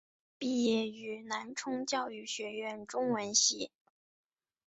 毕业于南充教育学院中文系。